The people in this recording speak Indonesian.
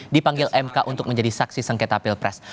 dipanggil mk untuk menjadi saksi sengketa pilpres